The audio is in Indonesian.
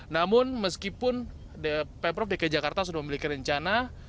namun meskipun pemprov dki jakarta sudah memiliki rencana